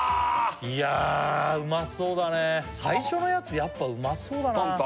いやあうまそうだね最初のやつやっぱうまそうだな豚豚？